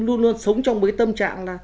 luôn luôn sống trong một tâm trạng là